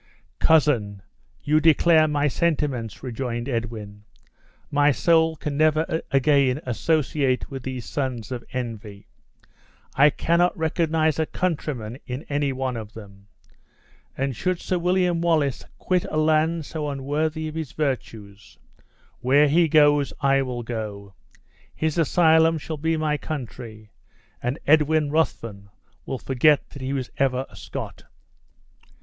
"Cousin, you declare my sentiments," rejoined Edwin; "my soul can never again associate with these sons of Envy. I cannot recognize a countryman in any one of them; and, should Sir William Wallace quit a land so unworthy of his virtues, where he goes I will go his asylum shall be my country, and Edwin Ruthven will forget that he ever was a Scot."